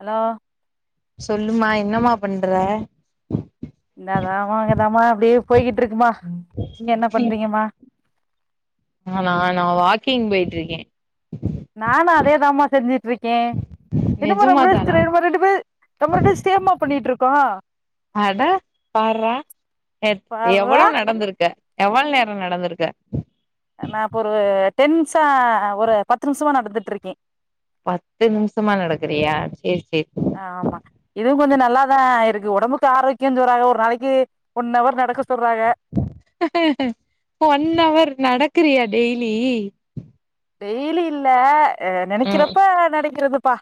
hello சொல்லுமா என்னமா பண்ற இந்தாதாமா அங்கதாம்மா அப்டியே போய்கிட்டு இருக்குமா நீங்க என்ன பண்றீங்கமா நானா நா வாக்கிங் போயிட்டுருக்கே நானு அதே தாமா செஞ்சிட்டுருக்கே என்னமா நிஜமா தானா முடிசிர மாதிரி நம்ம ரெண்டு பேர் நம்ம ‌ரெண்டு ‌பேர் ஸ்டேம்மா பண்ணிட்டுருக்கோ அட பார்ரா எ பார்றா எவ்ளோ நடந்திருக்க எவ்ள நேரோ நடந்திருக்க நான் இப்போ ஒரு டென்ஸா ஒரு பத்து நிமிஷமா நடந்துட்டு இருக்கே பத்து நிமிஷமா நடக்குறியா சேரி சேரி ஆமா இதுவு கொஞ்சோ நல்லாதா இருக்கு ஒடம்புக்கு ஆரோக்கியோ சொல்றாங்க ஒரு நாளைக்கு ஒன் அவர் நடக்க சொல்றாக ஒன் அவர் நடக்குறியா டெய்லி டெய்லி‌ இல்ல ம் நெனக்கிறப்ப நடக்கிறதுப்பா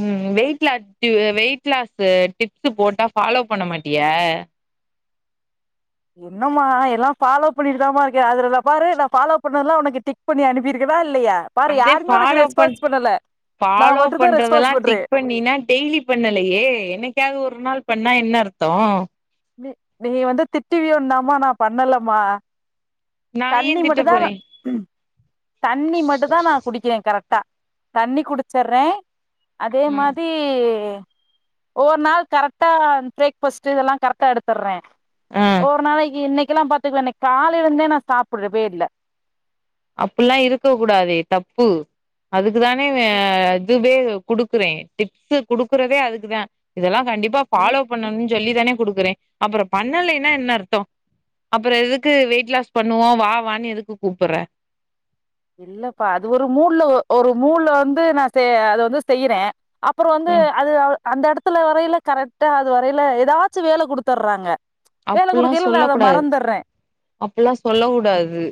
ம் wait lot weight loss tips போட்டா ஃபாலோ பண்ண மாட்டியா என்னம்மா எல்லா ஃபாலோ பண்ணிட்டு தாப்பா இருக்கே அதுல பாரு நான் ஃபாலோ பண்ணறதுல்லா உனக்கு டிக் பண்ணி அனுப்பிருக்கேனா இல்லையா பாரு அதே யாருமே உனக்கு ஃபாலோ பண் ரெஸ்பான்ஸ் பண்ணல நா மட்டும்தா ரெஸ்பாஸ் பண்றே நீனா டெய்லி பண்ணலையே என்னைக்காவது ஒரு நாள் பண்ணா என்ன அர்த்தோ‌ நீ நீ வந்து திட்டுவியோன் தான்‌மா நா பண்ணலமா நா ஏ தண்ணி மட்டு திட்ட தா போறே தண்ணி மட்டு‌ தா நா குடிக்கிறே கரெக்ட் தா தண்ணீ குடிச்சர்றே அதே ம் மாதி ஒவொர் நாள் கரெக்டா ப்ரேக்ஃபாஸ்ட்டு இதெல்லா கரெக்டா எடுத்துர்றே ம் ஒவ்வொரு நாளைக்கு இன்னைக்கெல்லா பாத்துக்க இன்னைக் காலைல இருந்தே நா சாப்ட்றவே இல்ல அப்டில்லா இருக்க கூடாதே தப்பு அதுக்குதானே இதுவே குடுக்குறே டிப்ஸ் குடுக்குறதே அதுக்குதா இதெல்லா கண்டிப்பா இல் ஃபாலோ பண்ணும்னு சொல்லி தானே குடுக்குறே அப்பறோ பண்ணலேன்னா என்ன அர்த்தோ அப்பறோ எதுக்கு வெயிட் லாஸ் பண்ணுவோ வா வான்னு எதுக்கு கூப்புர்ற இல்லப்பா அது ஒரு மூள்ல ஒரு மூள்ல வந்து நா அத வந்து செய்றே அப்பறோ வந்து ம் அது அந்த எடத்துல வரயில கரெக்டா அது வரையில ஏதாச்சு வேல குடுத்துர்றாங்க வேல குடுக்கயில அத நா மறந்துர்றே அப்பல்லா சொல்ல கூடாது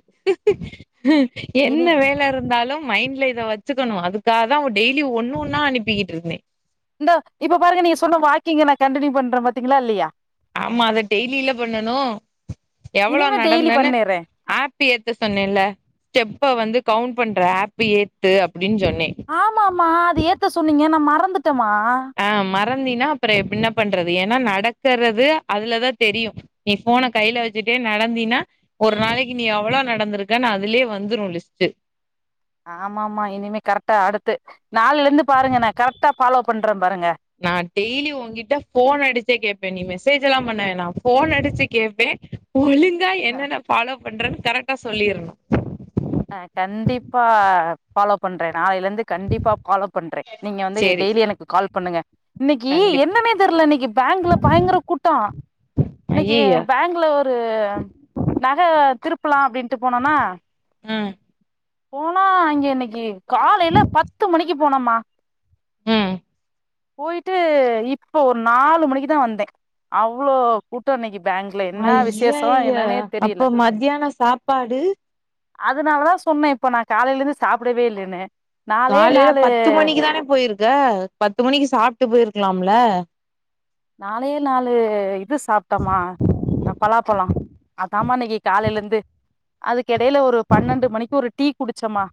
என்ன இனி வேலருந்தாலு மைண்ட்ல இத வச்சுக்கணு அதுக்காக தா டெய்லி ஒண்ணு ஒன்னா அனுப்பிக்கிட்டு இருந்தே இந்தா இப்ப பாருங்க நீங்க சொன்ன வாக்கிங்க நா கண்ட்னியூ பண்றே பாத்தீங்களா இல்லையா ஆமா அத டெய்லியில பண்ணணு எவ்வளோ இனிமே டெய்லி நடந்தேன்னு பண்ணிர்றே ஆர்ட் பு ஏத்த சொன்னேன்ல்ல ஸ்டெப்ப வந்து கவுண்ட் பண்ற ஆப்ப ஏத்து அப்டின்னு சொன்னே ஆமாமாமா அது ஏத்த சொன்னீங்க நா மறந்துட்டேம்மா ஆ மறந்தினா அப்ற என்ன பண்றது ஏன்னா நடக்கறது அதுலதா தெரியு ஏ போன கைல வச்சுட்டே நடந்தீனா ஒரு நாளைக்கு நீ எவ்ளோ நடந்திருக்க அதுலே வந்துரு லிஸ்ட்டு ஆமாமாமா இனிமே கரெக்டா அடுத்து நாளைல இருந்து பாருங்க நா கரெக்டா ஃபாலோ பண்றே பாருங்க நா டெய்லி ஓங்கிட்ட போன்ன அடிச்சே கேப்பே நீ மெசேஜ் எல்லா பண்ணவேணா ஃபோன் அடிச்சு கேப்பே ஒழுங்கா ஆ என்னென்ன ஃபாலோ பண்றனு கரெட்டா சொல்லிறணு ஆ கண்டிப்பா ஃபாலோ பண்றே நாளைலருந்து கண்டிப்பா ஃபாலே பண்றே நீங்க வந்து சேரி டெய்லி எனக்கு கால் பண்ணுங்க இன்னைக்கி கண்டிப் என்னனே தெர்ல இன்னைக்கி பேங்குல பயங்கர கூட்டோ இன்னைக்கி ஐயய்ய பேங்க் ல ஒரு நக திருப்லா அப்டின்ட்டு போனனா ம் போனா அங்க இன்னைக்கி காலையில பத்து மணிக்கி போனமா உம் போயிட்டு இப்போ ஒரு நாலு மணிக்கு தா வந்தே அவ்ளோ கூட்டோ இன்னைக்கி பேங்க்ல என்னா விசேஷோ என்னானே தெரியல மத்யானோ சாப் பாடு அதுனாலதா சொன்னே இப்ப நா காலையிலந்து சாப்டவே இல்லனு காலையில பத்து மணிக்கி தானே போயிருக்க பத்து மணிக்கு சாப்ட்டு போயிருக்கலாம்ல நாலே நாலு இது சாப்ட்டமா அ பலாப்பழோ அதமா இன்னைக்கி காலைலருந்து அதுக்கெடையில ஒரு பன்னெண்டு மணிக்கு ஒரு டீ குடிச்சமா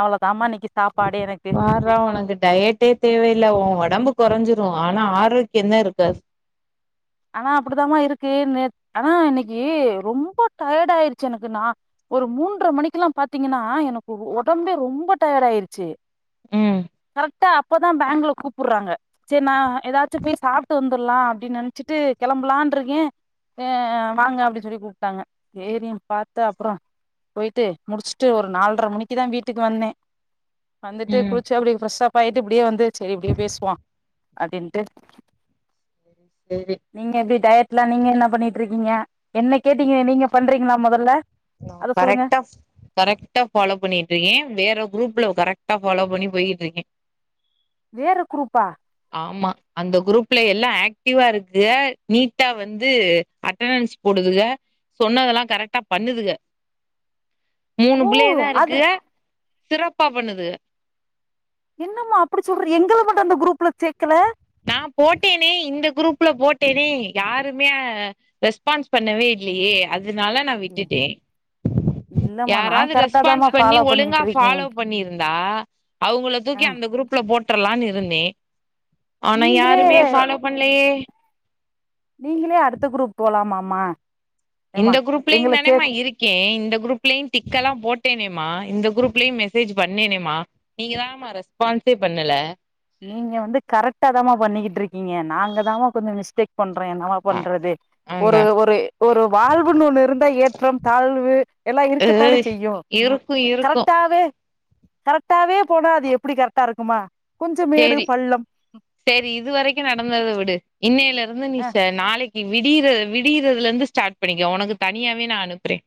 அவ்வளோதாமா இன்னைக்கி சாப்பாடு எனக்கு ப்றோ ஒனக்கு டயட்டே தேவையில்ல ஓ ஒடம்பு கொறஞ்சிரு ஆனா ஆரோக்யந்தா இருக்காது ஆனா அப்டிதாம இருக்கு நெ ஆனா இன்னைக்கி ரொம்ப டயர்டாயிருச்சி எனக்கு நா ஒரு மூன்ற மணிக்குலா பாத்தீங்கனா எனக்கு ஒடம்பே ரொம்ப டயர்டாயிருச்சி ம் கரெட்டா அப்பதா பேங்குல கூப்புட்றாங்க சேரி நா ஏதாச்சு போய் சாப்ட்டு வந்துர்லா அப்டின் நெனச்சிட்டு கெளம்பலான்ருக்கே ஏ வாங்க அப்டின் சொல்லி கூப்டாங்க சேரின் பாத்து அப்றோ போயிட்டு முடிச்சிட்டு ஒரு நால்ர மணிக்கிதா வீட்டுக்கு வந்தே வந்துட்டு ம் குளிச்சி அப்டியே ஃப்ரஸ் அப் ஆயிட்டு இப்டியே வந்து சேரி இப்டியே பேசுவோ அப்டின்ட்டு சேரி நீங்க எப்டி டயட்லா நீங்க என்ன பண்ணிட்ருக்கீங்க என்ன கேட்டீங்களே நீங்க பண்றீங்களா மொதல்ல நா அத சொல்லுங்க கரெட்டா கரெக்டா ஃபாலோ பண்ணிட்ருக்கே வேற குரூப்லோ கரெக்டா ஃபாலோ பண்ணி போய்கிட்ருக்கே வேற குரூப்பா ஆமா அந்த குரூப்ல எல்லா ஆக்டிவா இருக்கு நீட்டா வந்து அட்டணன்ஸ் போடுதுக சொன்னதெல்லா கரெக்டா பண்ணுதுக மூணு ஓ புள்ளையதா அது இருக்கு சிறப்பா பண்ணுதுக என்னம்மா அப்டி சொல்ற எங்கள மட்டு அந்த குரூப்ல சேக்கல நா போட்டேனே இந்த குரூப்ல போட்டேனே யாருமே ரெஸ்பான்ஸ் பண்ணவே இல்லையே அதுனால நா விட்டுட்டே இல்லம்மா நா யாராது கரெக்டா தாமா ரெஸ்பான்ஸ் பண்ணி ஃபாலோ ஒழுங்கா பண்ணிட்டு இருக்கே ஃபாலோ பண்ணிருந்தா அவுங்கள ஆ தூக்கி அந்த குரூப்ல போட்ரலானு இருந்தே அனா நீங்களே யாருமே ஃபாலோ பண்லையே நீங்களே அடுத்த குரூப் போலாமாமா ஏமா இந்த எங்கள சே குரூப்லயுந்தானமா இருக் கே இந்த குரூப்லயு டிக்கலா போட்டேனேமா இந்த குரூப்லயு மெசேஜ் பண்ணேனேமா நீங்க தானமா ரெஸ்பான்ஸே பண்ணல நீங்க வந்து கரெக்டா தாமா பண்ணிகிட்ருக்கீங்க நாங்க தாமா கொஞ்சோ மிஸ்டேக் பண்றோ என்னவா பண்றது ஒரு அதா ஒரு ஒரு வாழ்வுன்னு ஒன்னு இருந்தா ஏற்றம் தாழ்வு எல்லா இருக்கத்தானே செய்யு இருக்கூ இரு கரெக்டாவே கரெக்டாவே போனா அது எப்பிடி கரெக்டா இருக்குமா கொஞ்சம் மேடு சேரி பள்ளம் சேரி இது வரைக்கூ நடந்தத விடு இன்னையில இருந்து நீ அ நாளைக்கி விடியிற விடியிறதுலருந்து ஸ்டார்ட் பண்ணிக்கோ உனக்கு தனியாவே நான் அனுப்புறே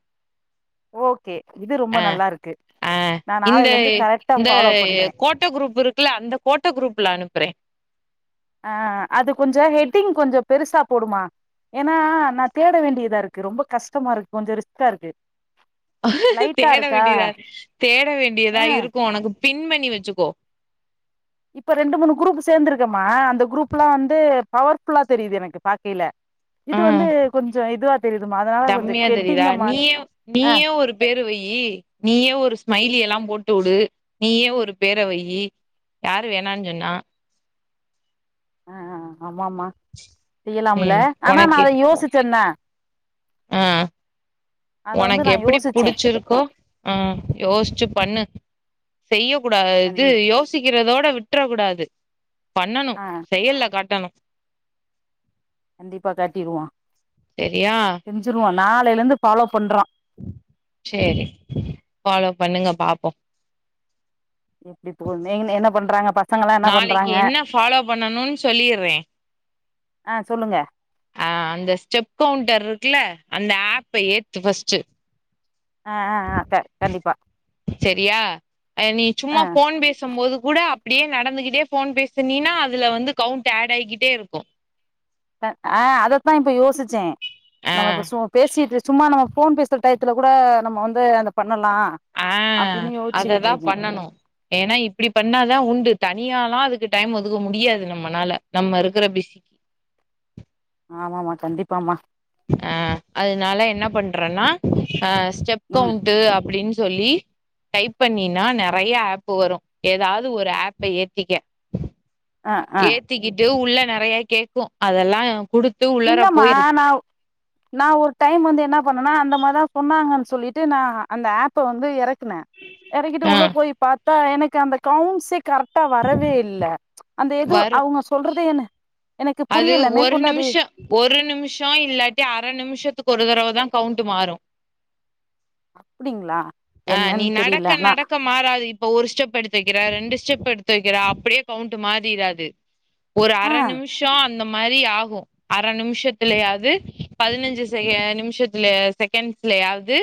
ஓகே இது ரொம்ப ஆ நல்லாருக்கு ஆ நா நாளைலேர்ந்து கரெக்டா ஃபாலோ பண்றே ட்ட குரூப் இருக்குல்ல அந்த கோட்ட குரூப்ல அனுப்புறே ஆ அது கொஞ்சொ ஹெட்டிங் கொஞ்சொ பெருசா போடும்மா ஏன்னா நா தேட வேண்டியதா இருக்கு ரொம்ப கஷ்டமாருக்கு கொஞ்சொ ரிஸ்க்கா இருக்கு லைட்டா தேட இருக்கா வேண்டியதா தேட வேண்டியதா ஆ இருக்கும் ஒனக்கு பின்பன்னி வச்சுக்கோ இப்ப ரெண்டு மூணு குரூப் சேந்திருக்கம்மா அந்த குரூப்ல்லா வந்து பவர்ஃபுல்லா தெரியுது எனக்கு பாக்கையில இது ஆ வந்து கொஞ்சொ இதுவா தெரியுதுமா அதனால கொஞ்சொ டம்மியா ஹெட்டிங்க மாத் அ பேருவையீ நீயே ஒரு ஸ்மைலி எல்லாம் போட்டு வுடு நீயே ஒரு பேரவையீ யாரு வேணான்ஞ் சொன்னா ஆ ஆமா ஆமா செய்யலாம்ல ம் ஆனா நா உனக்கே அத யோசிச்சன்ன ஆ அத வந்து ஒனக்கு நா எப்புடி யோசிச்சே புடிச்சிருக்கோ ஆ யோஸ்ச்சு பண்ணு செய்ய கூடாது இது தண்ணி யோசி க்கிறதோட விட்ற கூடாது பண்ணணும் ஆ செயல்ல காட்டணும் கண்டிப்பா காட்டிருவோ சரியா செஞ்சிருவோ நாளையிலருந்து ஃபாலோ பண்றோ சேரி ஃபாலோ பண்ணுங்க பாப்போ எப்டி போதுனே என்ன பண்றாங்க பசங்களா என்னா நாளைக்கு பண்றாங்க என்ன ஃபாலோ பண்ணணும்னு சொல்லிறே ஆ சொல்லுங்க ஆ அந்த ஸ்டெப்வுண்டர் இருக்குல அந்த ஆப்ப ஏத்து ஃபஸ்ட்டு ஆ ஆ ஆ க கண்டிப்பா செரியா நீ ஆ சும்மா ஃபோன் பேச பேசம்போது கூட அப்டியே நடந்துகிட்டே ஃபோன் பேசனீனா அதுல வந்து கவுண்ட் ஆட் ஆயிகிட்டே இருக்கூ அ ஆ அதத்தான் இப்ப யோசிச்சே நம்ம ஆ இப்ப சும் பேசிட்டு சும்மா நம்ம ஃபோன் பேசுற டயத்துல கூட நம்ம வந்து அத பண்ணலா ஆ அப்டின்னு அததா யோஸ்ச்சுகிட்ருக்கேன் பண்ணணு ஏன்னா இப்பிடி பண்ணாதா உண்டு தனியாலா அதுக்கு டைம் ஒதுக்க முடியாது நம்மனால நம்ம இருக்கிற பிசி ஆமாமா கண்டிப்பாம்மா அ அதனால என்னா பண்றேன்னா அ ஸ்டெப் ம் கவுண்டு அப்டின் சொல்லி டைப் பண்ணினா நறைய ஆப் வரு எதாவ்து ஒரு ஆப்ப ஏத்திக்க ஆ ஆ ஏத்திக்கிட்டு உள்ள நறைய கேக்கூ அதெல்லா குடுத்து உள்ளற இல்லமா போயிரு நா நா ஒரு டைம் வந்து என்னா பண்ணேனா அந்த மாரி தா சொன்னாங்கன் சொல்லிட்டு நா அந்த ஆப்ப வந்து எறக்குனே எறகிட்டு ஆ உள்ள போய் பாத்தா எனக்கு அந்த கவுன்சே கரெட்டா வரவே இல்ல அந்த எது வரு அவுங்க சொல்றது என்ன எனக்கு அது புரியல ஒரு மேற்கொண்டு அது நிமிஷோ ஒரு நிமிஷொ இல்லாட்டி அர நிமிஷத்துக்கு ஒரு தடவ தா கவுண்ட்டு மாறு அப்டிங்ளா ஆ நீ நடக்க நடக்க மாறாது இப்ப ஒரு ஸ்டெப் எடுத்து வைக்கிற ரெண்டு ஸ்டெப் எடுத்து வைக்கிற அப்டியே கவுண்ட் மாறிராது ஒரு அர ஆ நிமிஷொ அந்த மாரி ஆகூ அரை நிமிஷத்துலயாவ்து பதினஞ்சு செகண்ட் நிமிஷத்துல செகண்ட்ஸ்லயாவ்து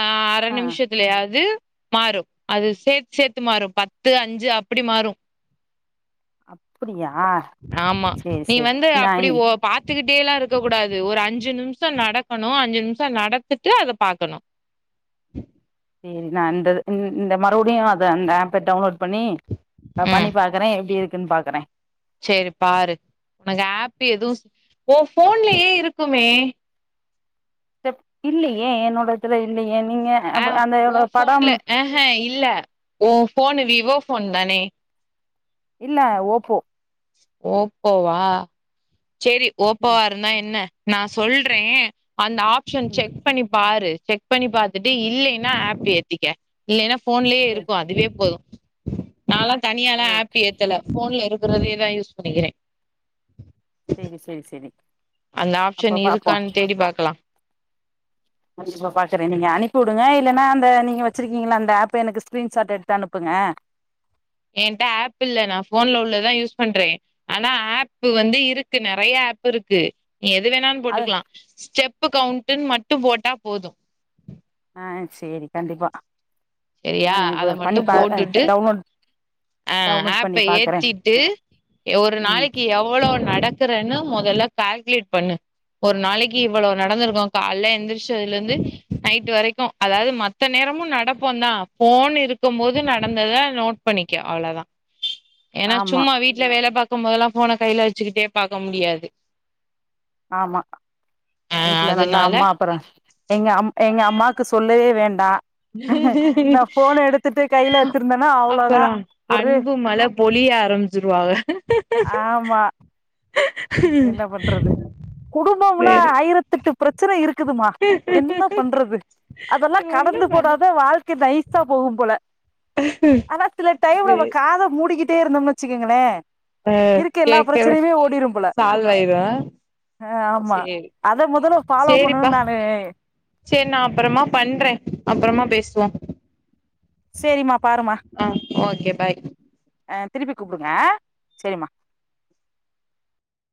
ஆ அர ஆ நிம்ஷத் லயாவ்து மாறு அது சேத்து சேத்து மாறும் பத்து அஞ்சு அப்டி மாறும் அப்டியா ஆமா சேரி நீ சேரி வந்து நா அப்பிடி ஒப் பாத்துக்கிட்டேல்லா இருக்க கூடாது ஒரு அஞ்சு நிம்ஷோ நடக்கணு அஞ்சு நிம்ஷோ நடத்துட்டு அத பாக்கணு சேரி நடந்தது இந் இந்த மறுபடியு அத அந்த ஆப்ப டவுன்லோட் பண்ணி ம் பண்ணி பாக்குறே எப்டி இருக்குன்னு பாக்குற சேரி பாரு உனக்கு ஆப் எதுவு ஓ ஃபோன்லயே இருக்குமே இல்லையே என்னோடத்துல இல்லையே நீங்க அ ஆ ப ஓ அந்த படம் ஃபோன்ல ஆஹ இல்ல ஓ ஃபோனு விவோ ஃபோன் தானே இல்ல ஓப்போ ஓப்போவா சேரி ம் ஓப்பவா இருந்தா என்ன நா சொல்றே அந்த ஆப் ஷன் ம் செக் பண்ணி பாரு செக் பண்ணி பாத்துட்டு இல்லைன்னா ஆப் ஏத்திக்க இல்லைனா ஃபோன்லேயே சரி இருக்கு அதுவே போது நால்லா தனியாலா ஓ ஆப் ஏத்தல ஃபோன்ல இருக்கறதையே தா யூஸ் பண்ணிக்கிறே சேரி சேரி சேரி அந்த ஆப்ஷன் இருக்கான் தேடி பாக்கலா கண்டிப்பா பாக்குறே நீங்க அனுப்பி உடுங்க இல்லைன்னா அந்த நீங்க வச்சிருக்கீங்கள அந்த ஆப்ப எனக்கு ஸ்க்ரீன்ஷாட் எடுத்து அனுப்புங்க என்ட்டா ஆப் இல்ல நா ஃபோன்ல உள்ளதுதா யூஸ் பண்றே ஆனா ஆப்பு வந்து இருக்கு நறைய ஆப் இருக்கு நீ எது வேணான் அது போட்டுக்கலா ஸ்டெப்பு கவுண்டுன்னு மட்டு போட்டா போது ஆ சேரி கண்டிப்பா சேரியா நானு அத இப்ப மட்டு பண்ணி பா போட்டுட்டு டவுன்லோட் ஆ டவுன்லோட் ஆப்ப பண்ணி பாக்குறேன் ஏத்திட்டு ஒரு ம் நாளைக்கு எவ் போளோ நடக்கறன்னு மொதல கால்குலேட் பண்ணு ஒரு நாளைக்கு இவ்வளோ நடந்திருக்கு காலையில எழுந்திரிச்சுதுல இருந்து நைட்டு வரைக்கு அதாவது மத் மத்த நேரமு நடப் போத்தா ஃபோன் இருக்கும் போது நடந்தத நோட் பண்ணிக்க அவ்ளவதா ஏன்னா ஆமா சும்மா வீட்ல வேல பாக்கும் போது எல்லா ஃபோன கையில வச்சுக்கிட்டே பாக்க முடியாது ஆமா ஆ வீட்ல நல்லா அதனால அம்மா அப்பறோ எங்க அம் எங்க அம்மாக்கு சொல்லவே வேண்டா கையில வச்சிருந்தேன்னா அவ்ளோதான் அப்பறோ ஒரு அன்பு மழ பொழிய ஆரம்பிச் சுருவாங்க ஆமா என்ன பண்றது குடும்பம்ன சேரி ஆயிரத்தெட்டு பிரச்சன இரு க்குதுமா என்ன பண்றது அதல்லா ஒன்னு கடந்து பண்ண போனா தா வாழ்க்க நைசா போகும் போல ஆனா சில டைம் சேரி காத மூடிக்கிட்டே இருந்தோம்ன்னு வச்சுக்கோங்களே ஆ இருக்க எல்லா கேக்கவே பிரச்சனையுமே ஓடிரும் போல சால்வ் ஆயிரு ஆ ஆமா சேரி அத மொதல ஃபாலோ பண்ணுன்னு நானு சேர் நா அப்பறமா பண்ற அப்பறமா பேசுவோ சேரிமா பாரும்மா ஆ ஓகே பாய் அ திருப்பி கூப்டுங்க சேரிமா